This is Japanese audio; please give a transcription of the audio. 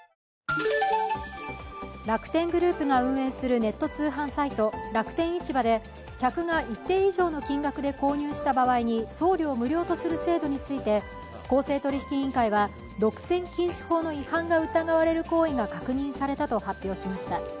楽天グループが運営するネット通販サイト、楽天市場で客が一定以上の金額で購入した場合に送料無料とする制度について公正取引委員会は独占禁止法の違反が疑われる行為が確認されたと発表しました。